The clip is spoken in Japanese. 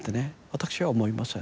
私は思いません。